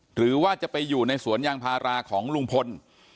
หรือว่าจะไปอยู่ในสวนยางพาราของลุงพล